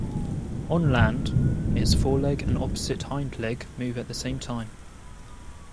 On land, its foreleg and opposite hind leg move at the same time.